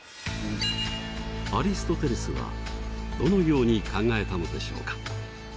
アリストテレスはどのように考えたのでしょうか？